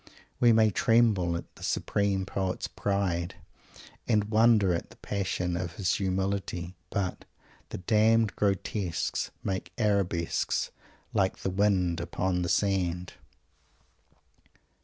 We may tremble at the supreme poet's pride and wonder at the passion of his humility but "the damned grotesques make arabesques, like the wind upon the sand!"